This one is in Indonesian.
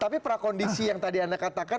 tapi prakondisi yang tadi anda katakan